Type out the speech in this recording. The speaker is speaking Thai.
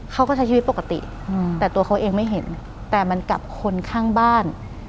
เขาก็ใช้ชีวิตปกติแต่ตัวเขาเองไม่เห็นแต่มันกับคนข้างบ้าน